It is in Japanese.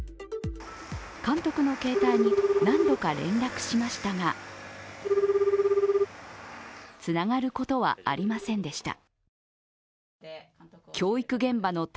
監督の携帯に何度か連絡しましたがつながることはありませんでした。